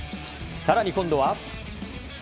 さらに今度は。